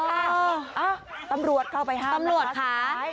เอ้าตำรวจเข้าไปห้ามค้า